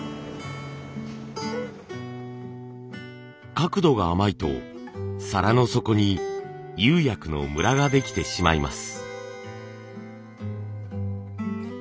角度が甘いと皿の底に釉薬のムラができてしまいます。